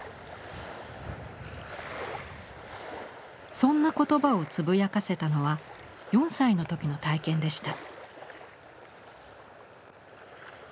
そんな言葉をつぶやかせたのは４歳の時の体験でした。